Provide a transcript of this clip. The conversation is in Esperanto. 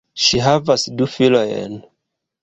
Ŝi havas du filojn.